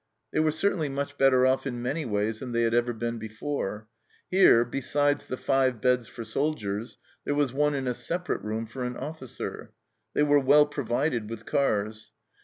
They were certainly much better off in many ways than they had ever been before. Here, besides the five beds for soldiers, there was one in a separate room for an officer. They were well provided with cars.